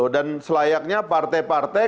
dan selayaknya partai partai